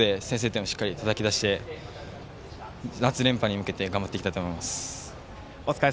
自分のバットで先制点をしっかりたたき出して夏連覇に向けて頑張っていきたいと思います。